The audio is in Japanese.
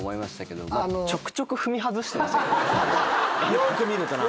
よく見るとね。